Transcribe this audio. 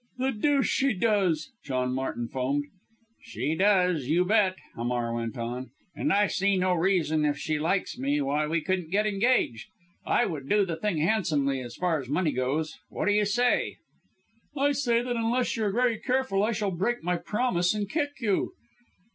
"The deuce she does!" John Martin foamed. "She does, you bet!" Hamar went on. "And I see no reason if she likes me, why we couldn't get engaged. I would do the thing handsomely as far as money goes. What do you say?" "I say that unless you're very careful I shall break my promise and kick you."